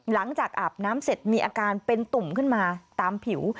อาบน้ำเสร็จมีอาการเป็นตุ่มขึ้นมาตามผิว